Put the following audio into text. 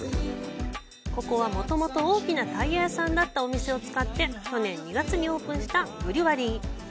ここは、元々大きなタイヤ屋さんだったお店を使って去年２月にオープンしたブリュワリー。